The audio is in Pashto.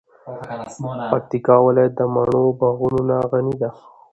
پکتیکا ولایت د مڼو د باغونو نه غنی ده.